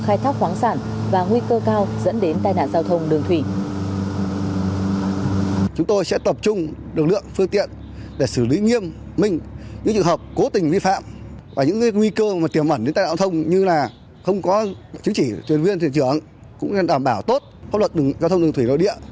khai thác khoáng sản và nguy cơ cao dẫn đến tai nạn giao thông đường thủy